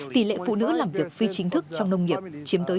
tỷ lệ phụ nữ làm việc phi chính thức trong nông nghiệp chiếm tới chín mươi tám ba